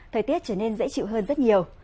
thời tiết trở nên dễ chịu hơn rất nhiều